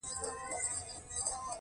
ستا د رباب تارونه مې زاړه زخمونه چېړي